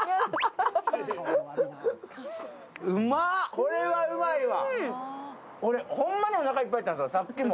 これはうまいわ。